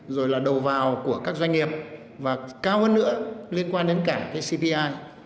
rồi là đầu vào của các doanh nghiệp và cao hơn nữa liên quan đến cả cái cpi